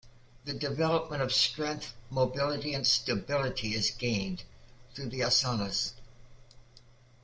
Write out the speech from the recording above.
The development of strength, mobility and stability is gained through the asanas.